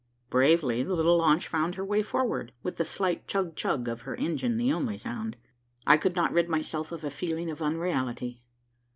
Bravely the little launch found her way forward, with the slight chug chug of her engine the only sound. I could not rid myself of a feeling of unreality.